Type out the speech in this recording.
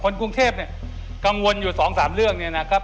กรุงเทพเนี่ยกังวลอยู่สองสามเรื่องเนี่ยนะครับ